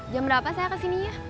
jam berapa saya kesini ya